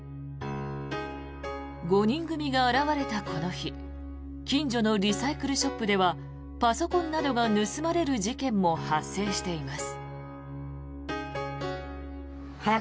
５人組が現れたこの日近所のリサイクルショップではパソコンなどが盗まれる事件も発生しています。